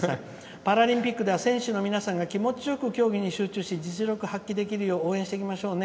「パラリンピックでは気持ちよく競技に集中し実力が発揮できるよう応援していきましょうね。